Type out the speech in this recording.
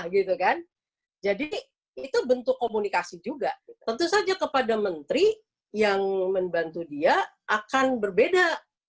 gitu kan jadi itu bentuk komunikasi juga tentu saja kepada menteri yang membantu dia akan berbeda